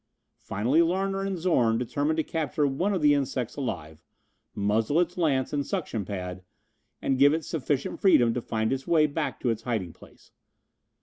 Finally Larner and Zorn determined to capture one of the insects alive, muzzle its lance and suction pad, and give it sufficient freedom to find its way back to its hiding place.